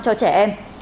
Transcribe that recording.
cho trẻ em